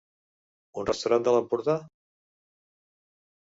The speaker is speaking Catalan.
Un restaurant de l'Empordà?